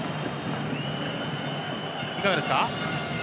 いかがですか？